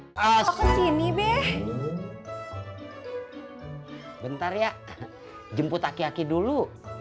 hai asli nih beh bentar ya jemput aki aki dulu